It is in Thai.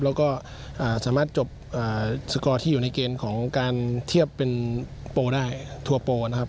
แล้วก็สามารถจบสกอร์ที่อยู่ในเกณฑ์ของการเทียบเป็นโปรได้ทัวร์โปรนะครับ